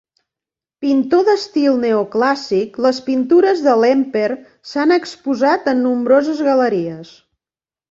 Pintor d'estil neoclàssic, les pintures de Lemper s'han exposat en nombroses galeries.